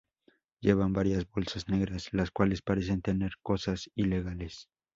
Llevan varias bolsas negras, las cuales parecen tener cosas ilegales.